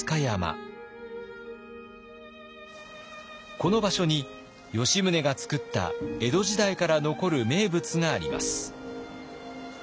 この場所に吉宗が作った江戸時代から残る名物があります。